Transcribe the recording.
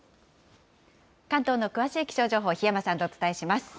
関東の詳しい気象情報、檜山さんとお伝えします。